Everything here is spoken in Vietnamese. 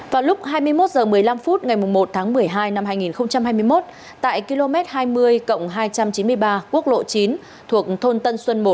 vào lúc hai mươi một h một mươi năm phút ngày một tháng một mươi hai năm hai nghìn hai mươi một tại km hai mươi cộng hai trăm chín mươi ba quốc lộ chín thuộc thôn tân xuân một